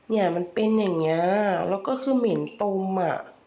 เนี่ยมันเป็นอย่างเงี้ยแล้วก็คือเหม็นตมอ่ะ